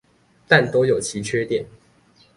但都有其缺點